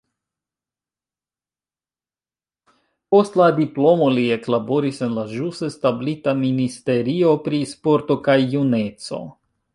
Post la diplomo li eklaboris en la ĵus establita ministerio pri sporto kaj juneco.